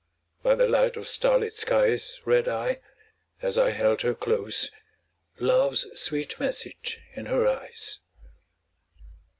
By the light of starlit skies Read I, as I held her close, Love's sweet message in her eyes.